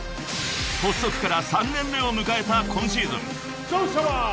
［発足から３年目を迎えた今シーズン］